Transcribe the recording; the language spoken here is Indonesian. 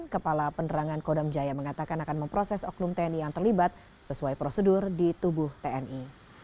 kepala penerangan kodam jaya mengatakan akan memproses oknum tni yang terlibat sesuai prosedur di tubuh tni